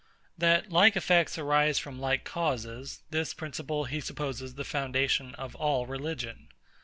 That like effects arise from like causes: this principle he supposes the foundation of all religion.